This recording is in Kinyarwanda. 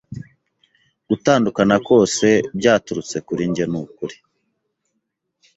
Gutandukana kose byaturutse kurinjye nukuri